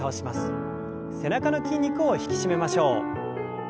背中の筋肉を引き締めましょう。